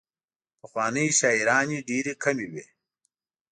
پخوانۍ شاعرانې ډېرې کمې وې.